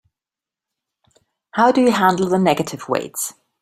How do you handle the negative weights?